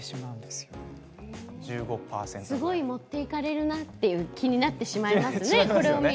すごい持っていかれるなといういう気になってしまいますね。